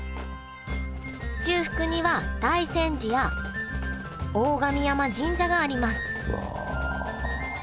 中腹には大山寺や大神山神社がありますうわ！